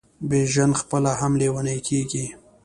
بیژن پخپله هم لېونی کیږي.